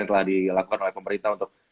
yang telah dilakukan oleh pemerintah untuk